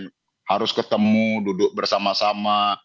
kemudian harus ketemu duduk bersama sama